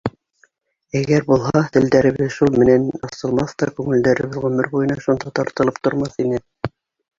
Әгәр булһа, телдәребеҙ шулар менән асылмаҫ та күңелдәребеҙ ғүмер буйына шунда тартылып тормаҫ ине.